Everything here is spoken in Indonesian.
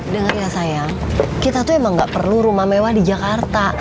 dengar ya sayang kita tuh emang gak perlu rumah mewah di jakarta